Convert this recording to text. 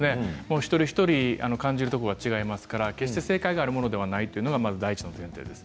一人一人、感じるところが違いますから決して正解があるものではないということが、まず第１です。